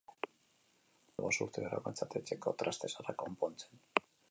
Jadanik bost urte daramatzate etxeko traste zaharrak konpontzen.